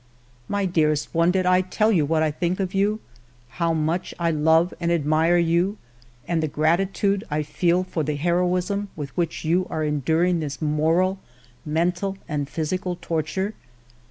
My dearest one, did I tell you what I think of you, how much 1 love and admire you, and the grati tude I feel for the heroism with which you are enduring this moral, mental, and physical torture